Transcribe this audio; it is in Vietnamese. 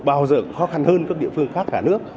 bao giờ khó khăn hơn các địa phương khác cả nước